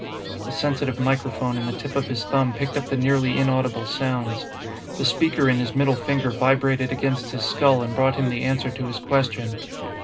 The sensitive microphone in the tip of his thumb picked up the nearly inaudible sounds; the speaker in his middle finger vibrated against his skull and brought him the answer to his question.